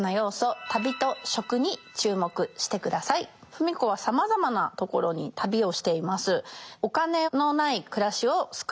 芙美子はさまざまなところに旅をしています。